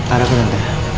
ada apa tante